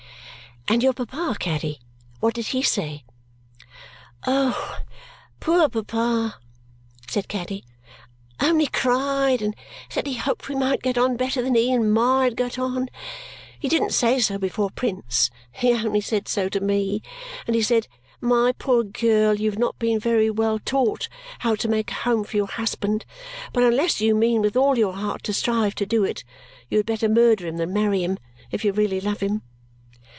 "And your papa, Caddy. What did he say?" "Oh! Poor Pa," said Caddy, "only cried and said he hoped we might get on better than he and Ma had got on. He didn't say so before Prince, he only said so to me. And he said, 'My poor girl, you have not been very well taught how to make a home for your husband, but unless you mean with all your heart to strive to do it, you had better murder him than marry him if you really love him.'"